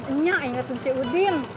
bantuin nyak ingetin si udin